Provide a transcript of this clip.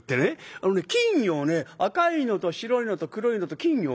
あのね金魚をね赤いのと白いのと黒いのと金魚をね